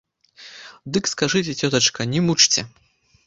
Дык скажыце, цётачка, не мучце!